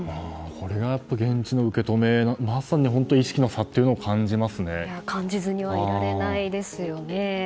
これが現地の受け止めまさに意識の差を感じずにはいられないですよね。